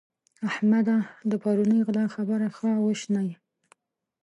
احمده! د پرونۍ غلا خبره ښه وشنئ.